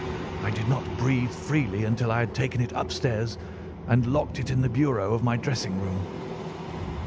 I did not breathe freely until I had taken it upstairs and locked it in the bureau of my dressing room.